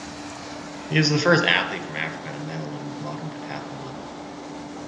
He is the first athlete from Africa to medal in modern pentathlon.